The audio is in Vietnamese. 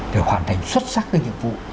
để hoàn thành xuất sắc cái nhiệm vụ